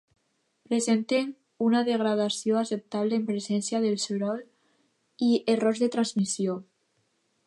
Presenten una degradació acceptable en presència de soroll i errors de transmissió.